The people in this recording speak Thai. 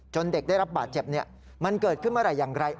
เด็กได้รับบาดเจ็บมันเกิดขึ้นเมื่อไหร่อย่างไร